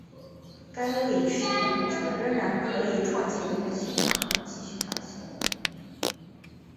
该位使用者仍然可以创建一个新帐号继续他的行为。